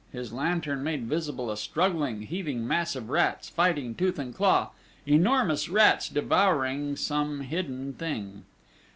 His lantern made visible a struggling, heaving mass of rats, fighting tooth and claw, enormous rats devouring some hidden thing!